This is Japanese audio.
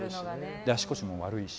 足腰も悪いし。